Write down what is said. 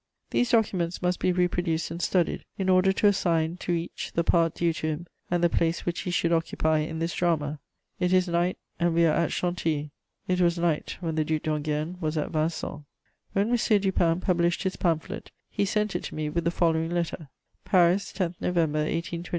These documents must be reproduced and studied, in order to assign to each the part due to him and the place which he should occupy in this drama. It is night, and we are at Chantilly; it was night when the Duc d'Enghien was at Vincennes. [Sidenote: M. Dupin's pamphlet.] When M. Dupin published his pamphlet he sent it to me with the following letter: "PARIS, 10 November 1823.